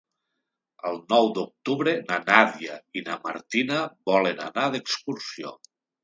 El nou d'octubre na Nàdia i na Martina volen anar d'excursió.